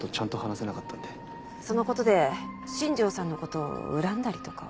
その事で新庄さんの事を恨んだりとかは？